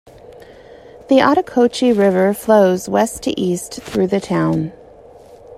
The Ottauquechee River flows west to east through the town.